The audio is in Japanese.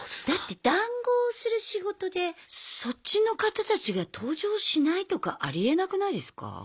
だって談合する仕事でそっちの方たちが登場しないとかありえなくないですか？